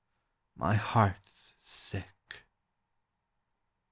my heart 's sick.